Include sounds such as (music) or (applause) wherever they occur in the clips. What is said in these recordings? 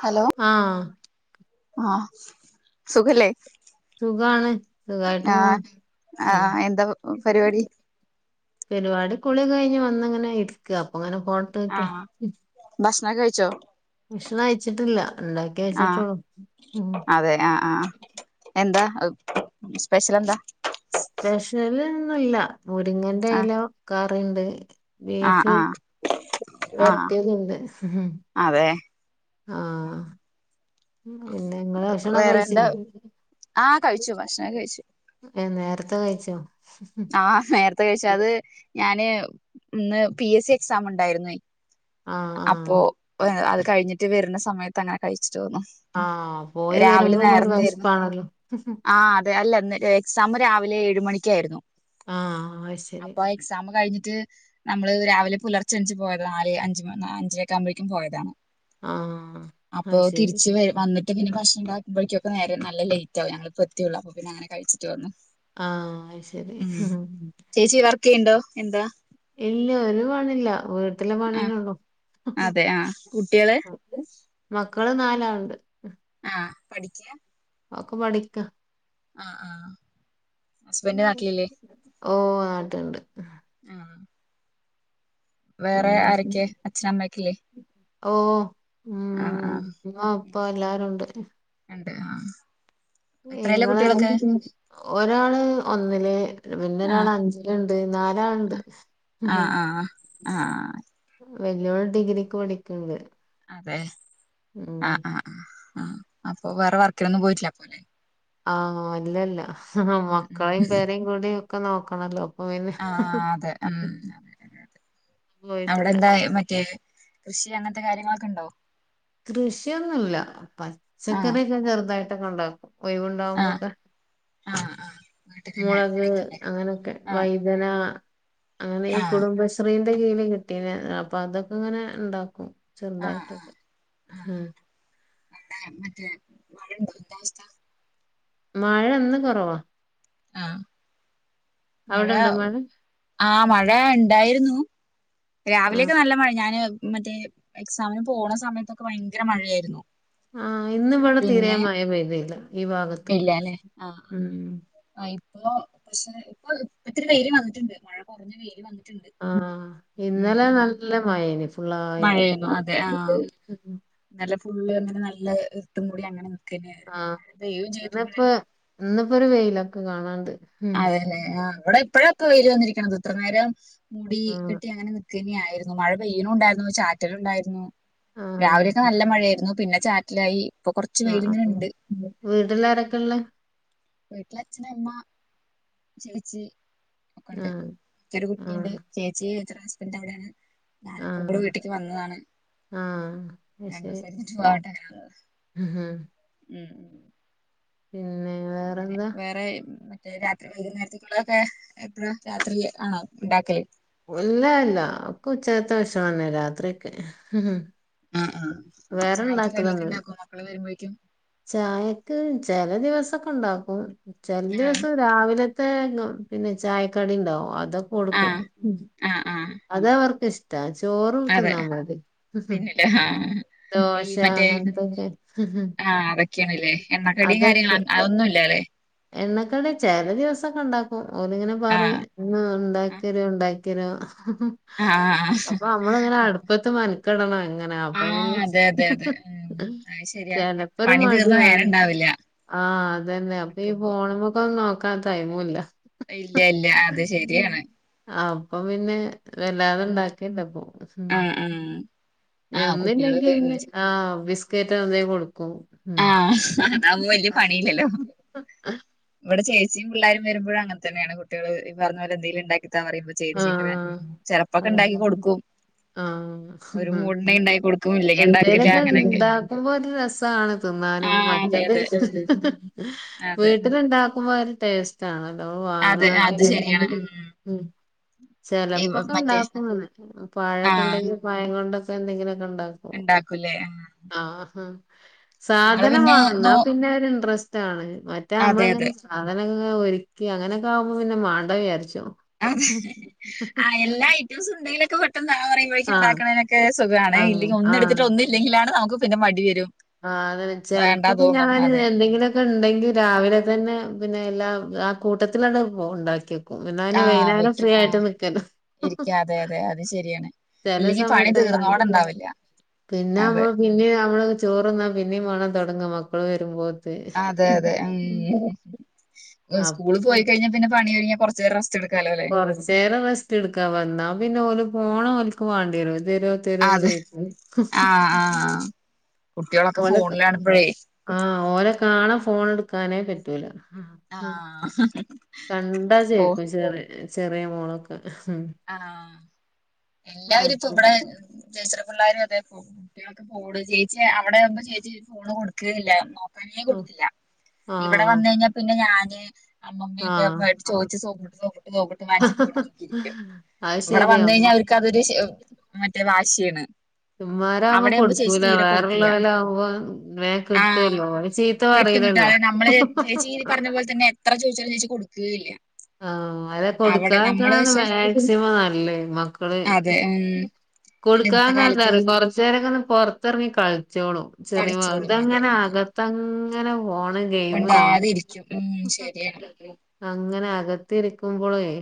Hello ആഹ ആഹ് സുഖല്ലേ സുഖാണ് സുഖായിട്ട് പോണ് ആഹ് ആ ഉം എന്താ പരിപാടി പരിപാ കുളി കഴിഞ്ഞ് വന്നങ്ങനെ ഇരിക്കാ അപ്പൊ അങ്ങനെ ഫോ ആഹ ഭക്ഷണം ഒകെ കഴിച്ചോ ഭക്ഷണം കഴിച്ചിട്ട്ല്ല ഉണ്ടാക്കി വെച്ചിട്ട് ആഹ് ട്ടുള്ളൂ ഉ അതെ ആഹ് ആഹ് എന്താ സ്പെഷ്യൽ എന്താ സ്പെഷ്യല് ഒന്നുംല്ല മുരിങ്ങൻ്റെ ആഹ് ഇല കറി ഉണ്ട് ആഹ് ബീഫ് ആഹ് ആഹ് വരട്ടി യതുണ്ട് അതെ ആഹ് പിന്നെ നിങ്ങള് ഭക്ഷണം ഒകെ വേറെ എന്താ കഴിചില്ലേ ആഹ് കഴിച്ചു ഭക്ഷണം കഴിച്ചു ഏ നേരത്തെ കഴിച്ചോ ആഹ് നേരത്തെ കഴിച്ച അത് ഞാന് ഇന്ന് പി എസ് സി എക്സാം ഉണ്ടായിരുന്നു ആഹ് ആഹ് അപ്പൊ അത് കഴിഞ്ഞിട്ട് വരുന്ന സമയത്ത് അങ്ങനെ കഴിച്ചിട്ട് വന്നു ആഹ പോയി രാവിലെ വരുമ്പോ ഒരു വി ശപ്പാണല്ലോ അത അല്ല എക്സാം രാവിലെ ഏഴ് മണിക്കായിരുന്നു ആഹ് ശരി അപ്പൊ എക്സാം കഴിഞ്ഞിട്ട് നമ്മള് രാവിലെ പുലർച്ചെ അഞ്ച് പോയത് നാല് അഞ്ച് അഞ്ചരക്കാ മ്പോഴേക്കും പോയതാണ് ആഹ് അപ്പോ അത് ശരി തിരിച്ച് വ വന്നിട്ട് പിന്നെ ഭക്ഷണം ഉണ്ടാക്കുമ്പോഴക്കെ നേരെ നല്ല ലേറ്റ് ആവും ഞങ്ങൾ ഇപ്പോ എത്തിയേ ഒള്ളു അപ്പ പിന്നെ അങ്ങനേ കഴിച്ചിട്ട് വന്നു ആഹ ശരി ഉം ചേച്ചി വർക്ക് ചെയ്യണ്ടോ എന്താ ഇല്ല ഒരു പണില്ല വീട്ടിൽ ള്ള പണി ആ തന്നെ ഒള്ളു അതെ ആ കുട്ടികള് മക്കള് നാലാള്ണ്ട് ആഹ പഠിക്ക ഒക്കെ പഠിക്ക ആ ആ ഹസ്ബൻഡ് നാട്ടിലില്ലേ ഓ ആട്ടുണ്ട് ആഹ വേറെ പിന്നെ ആരൊക്കെ അച്ഛനമ്മക്കല്ലേ ഓ ഉം ആ ഉമ്മ ഇപ്പ എല്ലാരും ഉണ്ട് ഉണ്ട് ആഹ് ഇങ്ങൾ ഒരാൾ ഒന്നില് പിന്നെ ആ ഒരാൾ അഞ്ച്ൽ ഇണ്ട് നാലാൾ ഇണ്ട് ഉം ഉം ആഹ് വെല്ലോൾ ഡിഗ്രിക്ക് പഠിക്ക്ണ്ട് അതെ ആഹ് ആഹ് ആഹ് ആഹ് അപ്പൊ വേറെ വർക്കിനൊന്നും പോയിറ്റില്ലാ അപ്പോലെ ആഹ് ഇല്ല ഇല്ല ഉം ഉം മക്കളിം പെരിം കുടും ഒക്കെ നോക്കണല്ലോ അപ്പൊ പിന്നെ ആഹ് അതെ ഉം അതെ അതെ അതെ അവ്ടെ പോയിട്ടില്ല എന്തായി മറ്റെ കൃഷി അങ്ങൻത്തെ കാര്യങ്ങളൊക്കെ ഇണ്ടോ? കൃഷിയൊന്നും ഇല്ല ആഹ് പച്ചക്കറി ഒക്കെ ചെറുതായിട്ടൊക്കെ ഇണ്ടാക്കും. ഒഴവ് ഇണ്ടാവുമ്പൊ ആഹ് ഒക്കെ. ആഹ് ആഹ് വീട്ടിലന്നെ മുളക് വെക്കില്ലേ അങ്ങനെയൊക്കെ ആഹ് വഴ്തന അങ്ങനെ ഈ ആഹ് കുടുംബ ശ്രീന്റെ കീഴില് കിട്ടീനി അപ്പ അതൊക്കെ ഇങ്ങനെ ഇണ്ടാക്കും. ചെറ്തായിട്ടൊക്കെ ആഹ് (unintelligible) മഴ ഇണ്ടോ എന്താ അവസ്ഥാ? മഴ ഇന്ന് കൊറവാ ആഹ് മഴ ആഹ് മഴ ഇണ്ടായിരുന്നു. ആഹ് രാവിലെയൊക്കെ നല്ല മഴ ഞാന് മറ്റേ എക്സാമിന് പോണ സമയത്തൊക്കെ ഭയങ്കര മഴയായിരുന്നു. ആഹ് ഇന്ന് ഇവടെ തിരെ പിന്നെ മഴ പെയ്തി ഇല്ലാ ഈ ഭാഗത്ത്ക്ക്. ഇല്ലല്ലെ ‌ ഉം ആഹ് ഇപ്പൊ പക്ഷെ ഇപ്പൊ ഇപ്പ ഇത്തിരി വെയില് വന്നിട്ട് ഇണ്ട് മഴ കൊറഞ്ഞ് വെയില് വന്നിട്ട് ഇണ്ട്. ആഹ് ഇന്നലെ നല്ല മഴ എനി ഫുള്ളാ മഴെന്നു അതെ ആഹ്. ഉം ഉം ഇന്നലെ ഫുള്ള് ഇങ്ങനെ നല്ല ഇര്ട്ട് മൂടി അങ്ങനെ നിക്കെ‌ന്നെയ്ര്ന്നു മഴ പെയ്യും ചെയ്ത്ക്ക്‌ണ്. ഇന്ന് ഇപ്പോ ഒരു വെയിലൊക്കെ കാണാണ്ട്. ഉം അതെലെ ആഹ് ഇവടെ ഇപ്പഴാപ്പോ വെയില് വന്നിരിക്ക്‌ണെത് ഇത്ര നേരം മൂടി ആഹ് കെട്ടി അങ്ങനെ നിക്കാ ക്കെന്നെ ആയിരുന്നു മഴ പെയ്യുണുണ്ടായിരുന്നു ചാറ്റല് ഉണ്ടായിരുന്നു. ആഹ് രാവിലെയൊക്കെ നല്ല മഴയായിരുന്നു പിന്നെ ചാറ്റലായി ഇപ്പൊ കുറച്ച് ആഹ് വെയിലിങ്ങനെ ആഹ് ഉണ്ട് ആഹ് വീട്ട്ൽ ആരൊക്കെ ഇള്ളെ? വീട്ട്ൽ അച്ഛന്, അമ്മ. ചേച്ചി ഒക്കെ ഇണ്ട്, ആഹ് ഇച്ചൊര് കുട്ടി ഇണ്ട് ആഹ് ചേച്ചി ചേച്ചിന്റെ ഹസ്ബെന്റ് അയുടെയാണ്. ഞാനിപ്പം ഇബളെ ആഹ് വീട്ടിക്ക് വന്നതാണ്. ആഹ് രണ്ടൂസം കഴിഞ്ഞിട്ട് പോവാ (unintelligible) ഉം ഹും ഉം ഉം പിന്നെ വേറെ എന്താ? വേറെ മറ്റേ രാത്രി വൈകുന്നേരത്തിന് ഉള്ളതൊക്കെ എപ്പഴ രാത്രി ആണോ ഇണ്ടാക്കെല്? ഉല്ല ഇല്ല ഒക്കെ ഉച്ചക്കത്തെ ഭക്ഷണെന്നെ രാത്രിയെക്കെ ആഹ് ആഹ് ചായക്ക് കടിയൊക്കെ ഇണ്ടാക്കോ മക്കള് വെരുമ്പഴെക്കും? ചായക്ക് ചെല ദിവസൊക്കെ ഇണ്ടാക്കും ചെല ആഹ് ദിവസം രാവിലത്തെ ങ്ങ പിന്നെ ചായക്കടി ഇണ്ടാവും അത് അതൊക്കെ കൊടുക്കും ഉം ആഹ് ആഹ് അത് അവർക്ക് ഇഷ് ടാ ചോറ് തിന്നാം പൂതി. ക്കെ ആഹ് ഈ മറ്റേ അങ്ങനത്തൊക്കെ ആഹ് അതൊക്കെയാണ്ലെ എണ്ണക്കടിയും അതൊക്കെ കാര്യങ്ങളും അതൊന്നും ഇല്ലലെ? എണ്ണക്കടി ചെല ദിവസൊക്കെ ഇണ്ടാക്കും ഓല് ഇങ്ങനെ പറിം ആഹ് ഇന്ന്‌ ഇണ്ടാക്കിയെരോ ഇണ്ടാ ക്കരോ? ആഹ് അപ്പൊ നമ്മളിങ്ങനെ അട്പ്പത്ത് മനക്കടണം എങ്ങനെ അപ്പൊ ആഹ് പിന്നെ അതെ അതെ അതെ ഉം അത് ശരിയാ ചെലപ്പ ഒരു പണി തീർന്ന മടിയാണ് നേരണ്ടാവില്ല ആഹ് അതന്നെ അപ്പ ഈ പോ നിക്കുമ്പോ ഫോണിന്മേക്കൊന്നും നോക്കാൻ ടൈമൂല്ല. ഇല്ല ഇല്ല അത് ശെരിയാണ്. അപ്പ പിന്നെ വല്ലാതെ ഉം ഇണ്ടാക്ക ഇല്ല ഇപ്പോ. ആഹ് ആഹ് ആഹ് കുട്ടികള് ഒന്നില്ലെങ്കി പിന്നെ ആ ബിസ്ക്കേറ്റ് എന്തേ കൊടുക്കും. ഉം ആഹ് അതാവുമ്പോ വെല്ല്യ പണിയില്ലല്ലോ? ആഹ് ഇവിടെ ചേച്ചീ പിള്ളാരും വരുമ്പോയും അങ്ങൻ തന്നെയാണ് കുട്ടിള് ഈ പറഞ്ഞ പോല എന്തേലും ഇണ്ടാക്കി താ പറയുമ്പ ചേച്ചി ഇങ്ങനെ ആഹ് ചെലപ്പൊക്കെ ഇണ്ടാക്കി കൊടുക്കും. ഒരു ആഹ് മൂടിന് ഇണ്ടാക്കി കൊടുക്കും ഇല്ലെങ്കി ഇണ്ടാക്കില്ല അങ്ങനെയൊക്കെ നോക്കുമ്പോ ഒരു രസാണ് തിന്നാനും ആഹ് അതെ മറ്റത് അതെ ഉം അതെ വീട്ടിലുണ്ടാ എമ്മാരി ടേസ്റ്റാണല്ലോ അതെ അത് വാങ്ങണതില് നല്ല ശരിയാണ് ടേസ്റ്റ് ഉം ഈ മറ്റേ ചെലപ്പൊക്കെണ്ടാക്കും ആഹ് പഴൊക്കണ്ടെങ്കില് പഴം കൊണ്ടൊക്കെ എന്തെങ്കിലൊക്കണ്ടാക്കും ഉണ്ടാക്കൂലേ ആഹ് ഉം നിങ്ങള് സാധനം പിന്നെ വാണം നോ ന്നപിന്നെ ഒരു ഇൻട്രസ്റ്റാണ് അതെ മറ്റമ്മള്ങ്ങനെ അതെ സാധനങ്ങനൊരുക്കി അങ്ങനക്കാവുമ്പോ പിന്നെ മാണ്ട വിചാരിച്ചും ആ എല്ലാ ഐറ്റംസുണ്ടെങ്കിലൊക്കെ പെട്ടന്ന് ആഹ് പറയുമ്പോഴേക്കും ആഹ് ഉണ്ടാക്കുന്നതിനൊക്കെ സുഖാണ് ആഹ് ഇല്ലെങ്കിൽ ആഹ് ഒന്നെടുത്തിട്ട് ഒന്ന ഇല്ലെങ്കിലാണ് നമുക്ക് പിന്നെ മടി വരും ആ അതന്നെ വേണ്ടാ ചെലപ്പൊക്കെ തോന്നും അതെ ഞാനെന്തെങ്കിലൊ ക്കെണ്ടെങ്കില് രാവിലതന്നെ പിന്നെ എല്ലാം ആ കൂട്ടത്തിലണ്ടാക്കിവെക്കും ഇന്ന പിന്നെ ആഹ് വൈന്നേരം ഫ്രീയായിട്ട് നിക്കാലോ അതെയതെ അത് ശരിയാണ് ഇല്ലെങ്കി പണി തീർന്നോടണ്ടാവില്ല അതെ പിന്നേ ഞമ്മള് ചോറ്ന്നാ പിന്നേമാണം തുടങ്ങ മക്കള് വരുമ്പോത്തിന് അതെയതെ ഉം അപ്പൊ സ്കൂളിപോയി കയിഞ്ഞാ പിന്നെ പണിയൊതുങ്ങിയ കുറ ച്ച് റെസ്റ്റെടുക്കാലോ ലെ കൊറച്ചേരം റെസ്റ്റ് എടുക്കാ വന്നാ പിന്നെ ഓല് ഫോണ് ഓൽക്ക് വാണ്ടേരും എന്തേ തരോ അതെ ചോയ്ക്കും ആഹ് ആഹ് കുട്ടികളൊക്കെ ഓലെ ഫോണിലാണിപ്പഴേ ആഹ് ഓലെ കാണ ഫോണെടുക്കാനെ പറ്റൂല ആഹ് കണ്ടാ ഓ ചോയ്ക്കും ചെറി ചെറിയ മോളൊക്കെ ആഹ് എല്ലാരുഇപ്പൊബടെ അപ്പൊ ചേച്ചിടെ പിള്ളാരും അതെ കുട്ടിയോൾക്ക് ഫോണ് ചേച്ചി അവിടെ ആവുമ്പോ ചേച്ചി ഫോണ് കൊടുക്കേല്ലാരുന്നു (unintelligible) കൊടുത്തില്ല ഇവടെ ആഹ് വന്നുകഴിഞ്ഞാ പിന്നെ ഞാന് ആഹ് അമ്മമൊക്കെയിട്ട് ചോദിച്ച് സോപ്പിട്ട് സോപ്പിട്ട് വാങ്ങിച് നോക്കിയിരിക്ക അത് ഇവടെ ശരിയാ വന്ന് കഴിഞ്ഞാൽ അവർക്ക് അതൊരു മറ്റെ വാശിയാണ് ഉമ്മാരാവുമ്പൊ അവിടെയാവുമ്പോ ചേച്ചി കൊടുക്കൂല തീരെ കൊടുക്കില്ല വേറല്ലോലാവുമ്പോ വേഗം ആഹ് കിട്ടോലൊ ഇച്ച് ഈ കിട്ടും കിട്ടും നമ്മള് ചേച്ചീ പറഞ്ഞപോലെ തന്നെ എത്ര ചോയിച്ചാലും ചേച്ചി കൊടുക്കേല്ലാ ആഹ് അല്ല കൊടുക്കാക്കണത് പക്ഷെ മാക്സിമം നല്ലേ മക്കള് അതെ ഉം അല്ല ഇന്നത്തെ കൊടുക്കാതന്നാ കാലത്ത് എന്തറിയോ കൊറച്ചേരൊക്കൊന്ന് പൊറത്തറങ്ങി കളിച്ചോളും കളിച്ചോളും അതെ ചെറിയോലതങ്ങനെ അതെ ആകത്തങ്ങ അങ്ങനെ ഫോണ് ഗെയിമ് അങ്ങ മിണ്ടാതെ ഇരിക്കും ഉം ശരിയാണ് അങ്ങനെ അകത്തിരിക്കുമ്പോളേയ്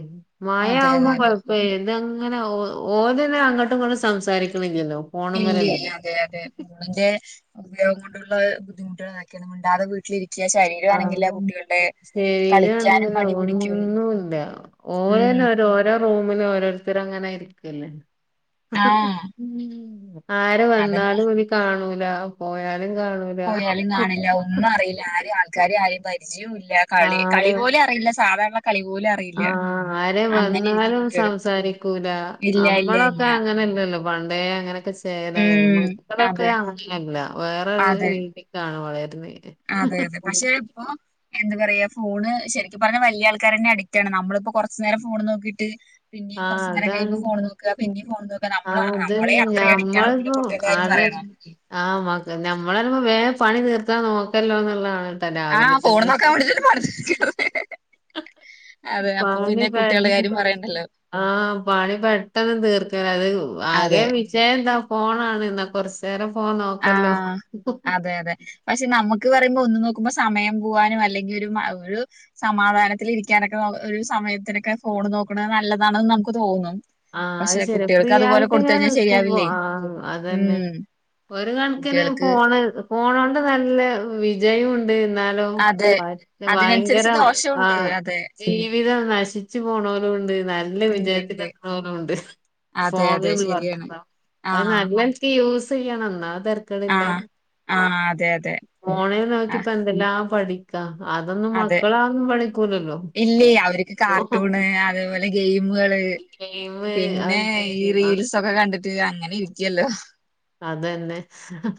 അതെ അതെ മഴാവുമ്പോ അതെ കൊഴപ്പല്ല ഇതങ്ങനെ ഒ ഓല് പിന്നെ അങ്ങോട്ടുമിങ്ങോട്ടും സംസാരിക്കണില്ലല്ലോ ഫോണുമ്മലല്ലേ ഇല്ലെല്ല അതെയതെ അന്റെ ഉപയോഗം കൊണ്ടുള്ള ബുദ്ധിമുട്ടുകളതൊക്കേണ് മുണ്ടാതെ വീട്ടിലിരിക്ക ആഹ് ഉം കളിക്കാനും മടി പിടിക്കും സ്റ്റൈലാണെങ്കിലൊന്നൂല്ല ഉം ഓലെന്നൊരു ഒ ഇന്റെ റൂമിലോരോരുത്തരങ്ങനെ ഇരിക്കല്ലെ ആഹ് ആര് അതന്നെ വന്നാലോല് കാണൂല പോയാലും കാണൂല പോയാലും കാണില്ല ഒന്നും അറില്ല ആരും ആൾക്കാരെ ആരിം പരിചയോല്ല കളി കളി ആര് പോലും അറീല്ല സാധാരണ കളിപോലും അ ആഹ് ആര് വന്നാലും സംസാരിക്കൂല ഇല്ല ഇല്ല അമ്മളൊക്കെ ഇല്ല അങ്ങനെല്ലല്ലോ പണ്ടേ അങ്ങനൊക്കെ ചേലായി ഉം മക്കളൊക്കെ അതെ അങ്ങനല്ല വേറൊരു രീതി ക്കാണ് വളരുന്നേ അതെയതെ പക്ഷെ ഇപ്പൊ എന്ത പറയാ ഫോണ് ശരിക്കും പറഞ്ഞ വല്യആൾക്കാരെന്നെ അടിറ്റാണ് നമ്മളിപ്പൊ കൊറച്ച്നേരം ഫോണ്നോക്കിട്ട് പിന്നീം ആഹ് കുറച്ച്നേരം അതാണ് കഴിയുമ്പൊ ഫോൺ നോക്കാ പിന്നീം നോക്ക ആഹ് അതന്നെ ഞമ്മളിപ്പൊ കുട്ടികളുടെ കാര്യം ആലോചി പറയണോ ആഹ് മക്ക് ഞമ്മള് പറയുമ്പോ വേം പണി തീർത്താൽ നോക്കല്ലോന്നാണ് ആഹ് ഫോണ് നോക്കാവേണ്ടിട്ടാ പണി തീർക്കുന്നത് അതെ അപ്പൊ പിന്നെ കുട്ടികളുടെ കാര്യം പറയണ്ടല്ലോ ആഹ പണി പെട്ടെന്ന് തീർക്കല്ല അത് അതെ ആകെ ക്ഷേ എന്താ പോണാണ് എന്നാ കൊറച്ചു നേരം ഫോൺ നോക്കല്ലോ ആഹ് അതെ അതെ പക്ഷെ നമ്മുക്ക് പറയുമ്പോ ഒന്ന് നോക്കുമ്പോ സമയം പോവാനും അല്ലെങ്കിൽ ഒരു ഒരു സമാധാനത്തി ഇരിക്കാനൊക്കെ ഒരു സമയത്തിനൊക്കെ ഫോണ് നോക്കണ നല്ലതാണെന്ന് നമുക്ക് തോന്നും ആഹ് അത് പക്ഷെ ശരി കുട്ടികൾക്ക് അതുപോലെ കൊടുത്ത് പ്രിയായിട്ടെങ്ങാൻ കഴിഞ്ഞാൽ നിക്കുമ്പോ ശരിയാവില്ലേ ആ അതന്നെ ഉം ഒരു കണക്കിന് കുട്ടികൾക്ക് ഫോണ് ഫോണോണ്ട് നല്ല വിജയം ഉണ്ട് എന്ന ഹലോ അതെ ഭയങ്കര അതിനനുസരിച്ച് ആ ദോഷമുണ്ട് അതെ ജീവിതം നശിച്ചു പോണലും കൊണ്ട് നല്ല ഉണ്ട് വിജയത്തി ഉണ്ട് രണ്ട് അതെ അതെ ഫോന്ന് ശരിയാണ് പറഞ്ഞ അ ആഹ് നിക്ക് യൂസ് ചെയ്യണംന്നാ തിരക്കടില്ല ആഹ് ആഹ് അതെ അതെ ഫോണേൽ നോക്കിപ്പ ആഹ് എന്തെല്ലാ ആ പടി അതൊന്നും അതെ മക്കളാന്നും പണിക്കൂലല്ലോ ഇല്ലേ അവർക്ക് കാർട്ടൂണ് അതേപോലെ ഗെയിമുകള് പിന്നെ അത് ഈ ഗെയിമ് റീൽസൊക്കെ കണ്ടിട്ട് അങ്ങനെ ഇരിക്കല്ലോ അതന്നെ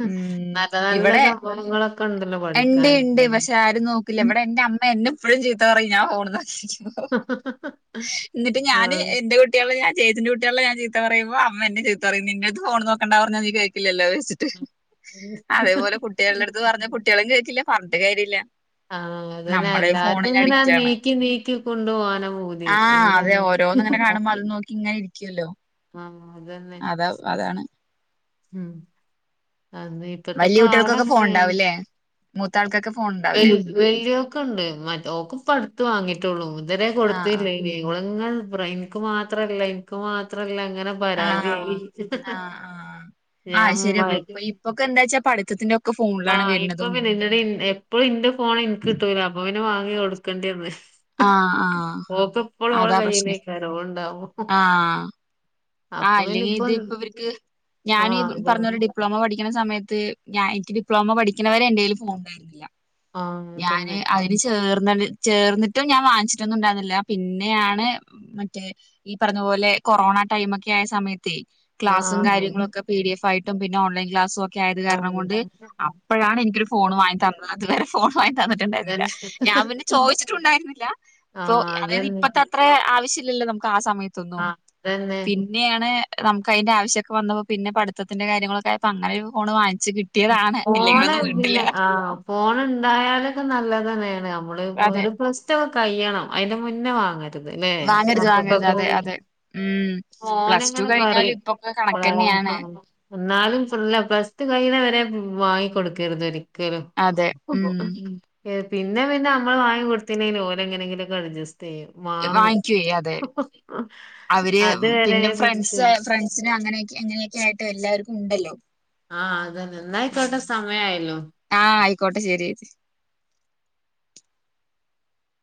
ഉം നല്ല നല്ല സംഭവങ്ങളൊക്കെ ഉണ്ടല്ലോ എണ്ട് പഠിക്കാൻ ഉണ്ട് പക്ഷെ ആരും നോക്കില്ല ഇവിടെ എന്റെ അമ്മ എന്നെ എപ്പോഴും ചീത്തറിയും ഞാൻ പോണക്കി എന്നിട്ട് ആ ഞാന് എന്റെട്ട കുട്ടികള ഞാൻേത്തിന്റെ കുട്ടികളെ ഞാ ചീത്ത പറയുമ്പോ അമ്മ എന്ന ചീത്ത പറയും നിന്റെടു ഫോൺോക്കണ്ട പറഞ്ഞ നീ കേൾക്കില്ലല്ലോ വെച്ചി് അതേപോലെ കുട്ടികളുടെ അടുത്ത് പറഞ്ഞ കുട്ടികളും കേൾക്കില്ല പറഞ്ഞിട്ട് കാര്യല്ല ആഹ അതനെ എല്ലാർക്കും ഇങ്ങനെ അഡിക്റ്റ് ആണ് നീക്കി നീക്കി കൊണ്ടു പോകാനാ പോ അതെ ആഹ് അതെ അങ്ങന ഓരോന്ന് ഇങ്ങനെ കാണുമ്പോ അത് നോക്കി ഇങ്ങനെ ഇരിക്കുവല്ലോ ആഹ അതന്നെ അതാ അതാണ് ഉം ഇപ്പത്തെ വലിയ കാല കുട്ടികൾക്കൊക്കെ ഫോൺ ങ്ങന ഉണ്ടാവൂല്ലേ മൂത്ത ആൾക്കൊക്ക ഫോ വ വല്യ ഒക്കെ ഉണ്ട് മറ്റേ ഓക്ക പടുത്തത്ത് വാങ്ങിയിട്ടുള്ളൂ ഇതരെേ ആഹ് ആഹ് കൊടുത്തല്ലേ ങ്ങങ്ങ എനിക്ക് മാത്രല്ല എനിക്ക് മാത്രല്ല അങ്ങനെ ആഹ പരാതിയായി ആഹ് ആ ആഹ് ശരി അപ്പ ഞാൻ ഇപ്പൊ ഇപ്പൊക്കെ എന്താ വച്ചാ പഠിത്തത്തിന്റെ ഒക്കെ ഫോണിലാണ് ആഹ് ഇപ്പൊ വരുന്നതും പിന്നെ ഇന്നെടെ എപ്പഴും ഇന്റെ ഫോണിൻക്ക് കിട്ടൂല അപ്പൊ പിന്നെ വാങ്ങി കൊടുക്കണ്ടിയെന്ന് ആഹ് ആഹ് ഓക്കെപ്പളും ഓളെ അതാ പ്രശ്നേ കയ്യിലേക്കാരം ഓള്ണ്ടാവുമ്പം ആ അല്ലെങ്കിൽ ഇതിപ്പോ ഇവർക്ക് ഞനീ ആഹ് അതാണ് പറഞ്ഞോലെ ഡിപ്ലോമ പഠിക്കണ സമയത്ത് ഞാൻ എനിക്ക് ഡിപ്ലോമ പഠിക്ക്ണ വരെ എന്റേല് ഫോണ് ണ്ടായിരുന്നില്ല ആഹ് ഞാന് അതന്നെ അ തില് ചേർന്ന ചേർന്നിട്ടും ഞാൻ വാങ്ങിച്ചിട്ടൊന്നും ഇണ്ടായിരിന്നില്ല പിന്നെയാണ് മറ്റേ ഈ പറഞ്ഞ പോലെ കൊറോണ ടൈമൊക്കായ സമയത്തെ ക്ലാസും ആഹ് കാര്യങ്ങളൊക്കെ പി ഡി എഫായിട്ടും പിന്നെ ഓൺലൈൻ ക്ലാസുവൊക്കെ ആയത് കാരണം ആഹ് കൊണ്ട് അപ്പഴാണ് എനിക്കൊരു ഫോൺ വാങ്ങി തന്നത് അത് വരെ ഫോൺ വാങ്ങി തന്നിട്ടുണ്ടായിരുന്നില്ല അതന്നെ ഞാൻ പിന്നെ ചോദിച്ചിട്ടുണ്ടായിരുന്നില്ല അപ്പൊ ആഹ് അതായത് അതന്നെ ഇപ്പത്തെ അത്ര ആവശ്യല്ലല്ലോ നമുക്ക് ആ സമയത്ത് ആഹ് അതന്നെ പിന്നെയാണ് നമുക്കയിന്റെ ആവശ്യൊക്കെ വന്നപ്പോ പിന്നെ പട്ത്തത്തിന്റെ കാര്യങ്ങളൊക്കായപ്പോ അങ്ങനൊരു ഫോണ് വങ്ങിച്ച് കിട്ടി ഫോണ് പിന്നെ ആഹ് ഫോണ് ണ്ടായാലൊക്കെ നല്ലതന്നേണ് നമ്മള്പ്പൊ അതെ ഒരു സ് പ്ലസ്ടുവൊക്കെ കഴിയണം അയിന്റെ മുന്നേ വാങ്ങര് ത് ല്ലേ? വാങ്ങരുത് വാങ്ങരുത് അതെ മക്കക്കൊന്ന് അതെ ഉം പ്ലസ് ടു മോന്ങ്ങനെ കഴിഞ്ഞാല് പറിം ഇപ്പൊക്കെ കണക്കന്നെയാണ് (unintelligible) ഇന്നാലും ഫല്ല പ്ലസ് ടു കയ്യിണ വരെ വാങ്ങി ക്കൊടുക്കരുതൊരി ക്കലും അതെ ഉം പിന്നെ പിന്നെ നമ്മള് വാങ്ങി കൊടുത്തില്ലെങ്കിലും ഓലെങ്ങനെങ്കിലും ഒക്കെ അഡ്ജസ്റ്റ് ചെയ്യും വാങ്ങും വാങ്ങിക്കുവേ അതെ അവര് അതുവരെ പിന്നെ പിടിച്ച് ഫ്രണ്ട്സ് ഫ്രണ്ട്സിന് അങ്ങനെയെക്കെ അങ്ങനെയ ക്കെയായിട്ട് എല്ലാവർക്കുണ്ടല്ലോ ആഹ് അതന്നെ ഇന്നായ്ക്കോട്ടെ സമയയാല്ലോ? ആഹ് ആയിക്കോട്ടെ ശെരിയേച്ചി